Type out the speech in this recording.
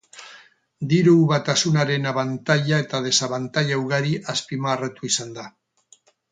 Diru-batasunaren abantaila eta desabantaila ugari azpimarratu izan da.